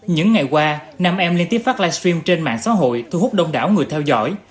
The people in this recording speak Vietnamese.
những ngày qua nam em liên tiếp phát livestream trên mạng xã hội thu hút đông đảo người theo dõi